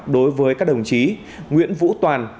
đối với các đồng chí nguyễn vũ toàn